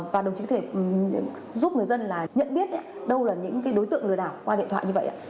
và đồng chí có thể giúp người dân là nhận biết đâu là những cái đối tượng lừa đảo qua điện thoại như vậy ạ